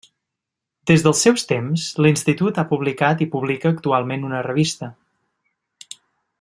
Des dels seus temps, l’Institut ha publicat i publica actualment una revista.